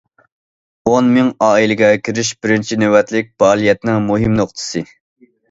ئون مىڭ ئائىلىگە كىرىش بىرىنچى نۆۋەتلىك پائالىيەتنىڭ مۇھىم نۇقتىسى.